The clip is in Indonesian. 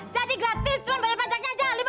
jadi gratis cuma bayar pajaknya aja